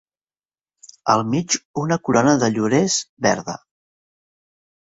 Al mig una corona de llorers verda.